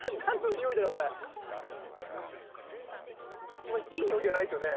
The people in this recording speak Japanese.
あんまりいいにおいじゃないっすよね。